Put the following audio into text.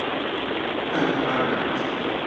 太可愛了